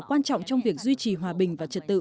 quan trọng trong việc duy trì hòa bình và trật tự